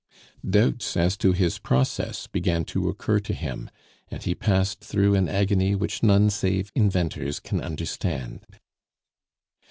Doubts as to his process began to occur to him, and he passed through an agony which none save inventors can understand.